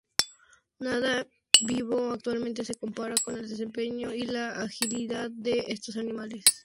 Nada vivo actualmente se compara con el desempeño y la agilidad de estos animales.